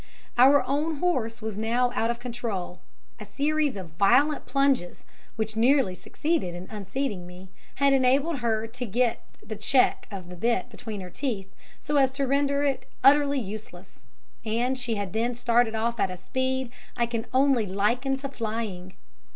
Our own horse was now out of control. A series of violent plunges, which nearly succeeded in unseating me, had enabled her to get the check of the bit between her teeth so as to render it utterly useless; and she had then started off at a speed I can only liken to flying.